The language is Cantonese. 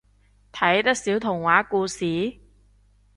睇得少童話故事？